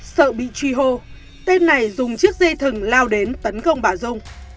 sợ bị truy hô tên này dùng chiếc dây thừng lao đến tấn công bà dung